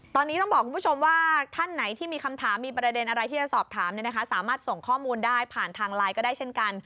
ตอนนี้ต้องบอกคุณผู้ชมว่าท่านไหนที่มีคำถามมีประเด็นอะไรที่จะสอบถามสามารถส่งข้อมูลได้ผ่านทางไลน์ก็ได้เช่นกัน